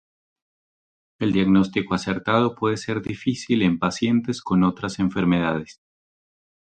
El diagnóstico acertado puede ser difícil en pacientes con otras enfermedades.